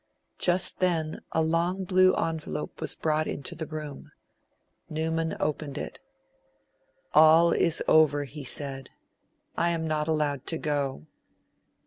Just then a long blue envelope was brought into the room. Newman opened it. 'All is over,' he said, 'I am not allowed to go.'